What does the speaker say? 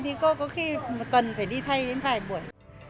thì cô có khi một tuần phải đi thay đến vài buổi